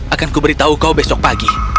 akan kuberitahu kau besok pagi